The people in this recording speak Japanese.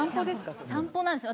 それ散歩なんですよ